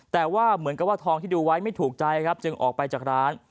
แต่ว่าเหมือนกับว่าทองที่ดูไว้ไม่ถูกใจครับจึงออกไปจากร้าน